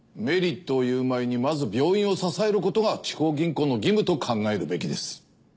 メリットを言う前にまず病院を支えることが地方銀行の義務と考えるべきです。